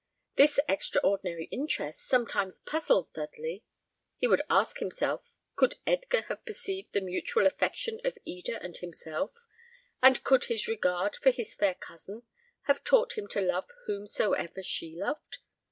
This extraordinary interest sometimes puzzled Dudley. He would ask himself could Edgar have perceived the mutual affection of Eda and himself, and could his regard for his fair cousin have taught him to love whomsoever she loved?